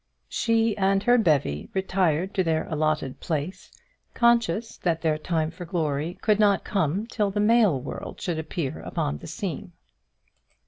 She and her bevy retired to their allotted place, conscious that their time for glory could not come till the male world should appear upon the scene.